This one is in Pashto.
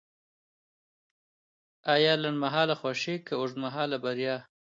ایا لنډمهاله خوښي که اوږدمهاله بریا؟